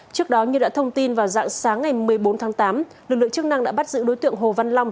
trước đó như đã thông tin vào dạng sáng ngày một mươi bốn tháng tám lực lượng chức năng đã bắt giữ đối tượng hồ văn long